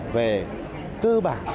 về cơ bản